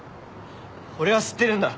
俺は知ってるんだ。